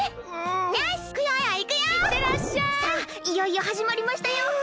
いよいよはじまりましたよ！